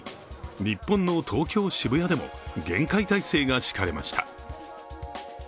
日本の東京・渋谷でも厳戒態勢が敷かれました。